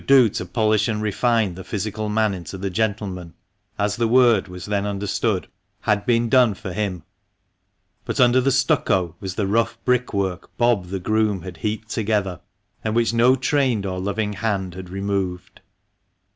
251 do to polish and refine the physical man into the gentleman, as the word was then understood, had been done for him ; but under the stucco was the rough brickwork Bob the groom had heaped together, and which no trained or loving hand had removed.